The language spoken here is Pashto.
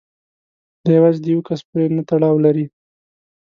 دا یوازې د یو کس پورې نه تړاو لري.